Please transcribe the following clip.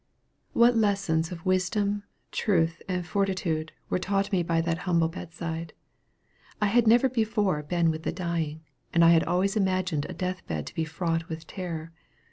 What lessons of wisdom, truth and fortitude were taught me by that humble bed side! I had never before been with the dying, and I had always imagined a death bed to be fraught with terror.